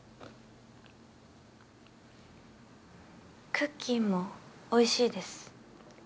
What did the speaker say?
クッキーもおいしいです。